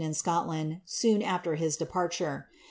391 lion ID Scotland soon afler his departure.